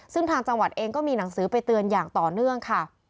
ซึ่งทางจังหวัดเองก็มีหนังสือไปเตือนอย่างต่อเนื่องค่ะ